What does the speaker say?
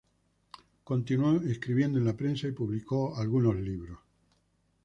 Continuó escribiendo en la prensa y publicó algunos libros.